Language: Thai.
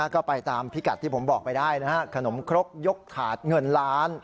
ก็ไปตามพิกัดที่ผมบอกไปได้นะฮะขนมครกยกถาดเงินล้าน